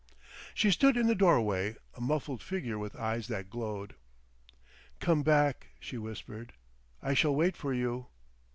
She stood in the doorway, a muffled figure with eyes that glowed. "Come back," she whispered. "I shall wait for you."